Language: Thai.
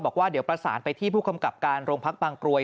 บอกว่าเดี๋ยวประสานไปที่ผู้กำกับการโรงพักบางกรวย